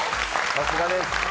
さすがです。